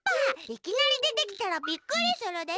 いきなりでてきたらびっくりするでしょ！